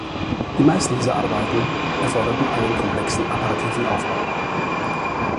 Die meisten dieser Arbeiten erforderten einen komplexen apparativen Aufbau.